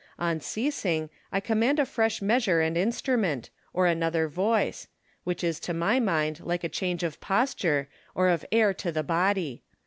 On ceasing, I command a fresh measure and instrument, or another voice ; which is to the mind like a change of posture, or of air to the body.